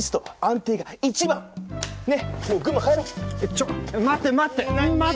ちょ待って待って待って！